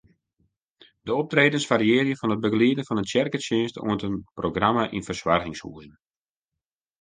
De optredens fariearje fan it begelieden fan in tsjerketsjinst oant in programma yn fersoargingshuzen.